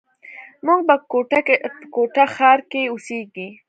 موږ په کوټه ښار کښي اوسېږي.